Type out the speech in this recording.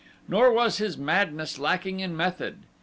Nor was his madness lacking in method.